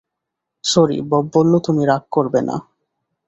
Sorry, Bob বলল তুমি রাগ করবে না।